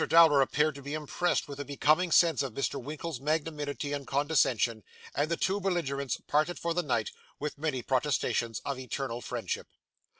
Dowler appeared to be impressed with a becoming sense of Mr. Winkle's magnanimity and condescension; and the two belligerents parted for the night, with many protestations of eternal friendship.